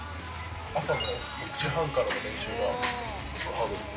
朝の６時半からの練習がハード。